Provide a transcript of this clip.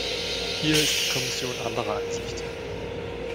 Hier ist die Kommission anderer Ansicht.